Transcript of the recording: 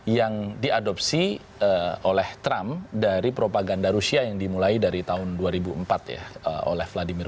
yang diadopsi oleh trump dari propaganda rusia yang dimulai dari tahun dua ribu empat ya oleh vladimir